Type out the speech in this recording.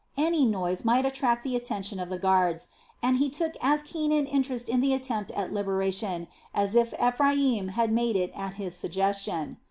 Any noise might attract the attention of the guards, and he took as keen an interest in the attempt at liberation, as if Ephraim had made it at his suggestion.